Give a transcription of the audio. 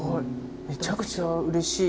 めちゃくちゃうれしい。